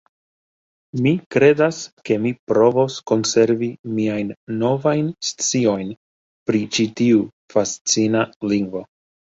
Mi kredas ke mi provos konservi miajn novajn sciojn pri ĉi tiu fascina lingvo.